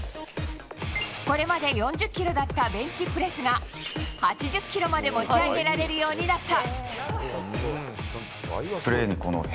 これまで４０ｋｇだったベンチプレスが８０ｋｇまで持ち上げられるようになった。